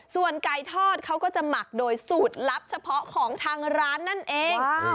ส่วนไก่ทอดเขาก็จะหมักโดยสูตรลับเฉพาะของทางร้านนั่นเอง